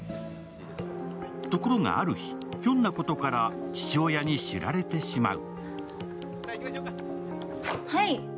ところがある日、ひょんなことから父親に知られてしまう。